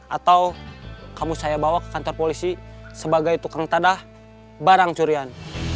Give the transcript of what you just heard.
atau kamu saya bawa ke kantor polisi sebagai tukang tadah barang curian